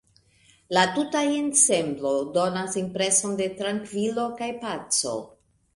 La tuta ensemblo donas impreson de trankvilo kaj paco.